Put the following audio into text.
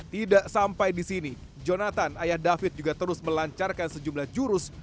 tidak sampai di sini jonathan ayah david juga terus melancarkan sejumlah jurus